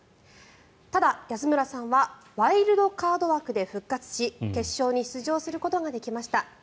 ただ、安村さんはワイルドカード枠で復活し決勝に出場することができました。